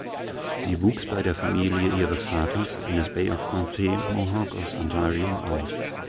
Sie wuchs bei der Familie ihres Vaters, eines Bay-of-Quinte-Mohawk aus Ontario auf.